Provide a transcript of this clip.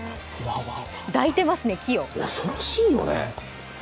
恐ろしいよね。